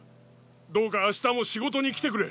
どうか明日も仕事に来てくれ！